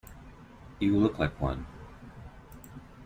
You look like one.